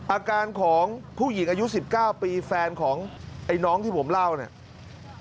อาการของผู้หญิงอายุ๑๙ปีแฟนของไอ้น้องที่ผมเล่าเนี่ย